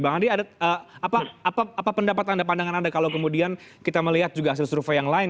bang andi apa pendapat anda pandangan anda kalau kemudian kita melihat juga hasil survei yang lain